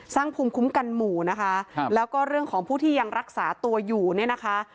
ภูมิคุ้มกันหมู่นะคะครับแล้วก็เรื่องของผู้ที่ยังรักษาตัวอยู่เนี่ยนะคะ